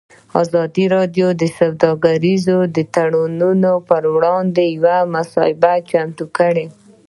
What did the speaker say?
ازادي راډیو د سوداګریز تړونونه پر وړاندې یوه مباحثه چمتو کړې.